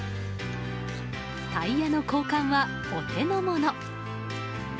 タイヤの交換はお手の物。